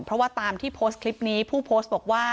เพราะว่าตามที่โพสต์คลิปนี้ผู้โพสต์บอกว่า